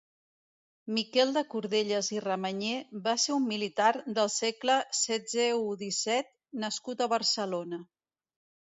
Miquel de Cordelles i Ramanyer va ser un militar del segle setzeu-disset nascut a Barcelona.